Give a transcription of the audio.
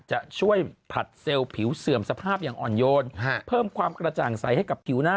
จะช่วยผัดเซลล์ผิวเสื่อมสภาพอย่างอ่อนโยนเพิ่มความกระจ่างใสให้กับผิวหน้า